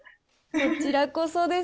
こちらこそです。